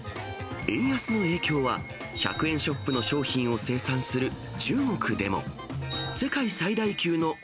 円安の影響は、１００円ショップの商品を生産する中国でも。